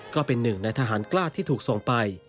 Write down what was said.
ก็เป็นหนึ่งในทหารกล้าที่ถูกส่งไป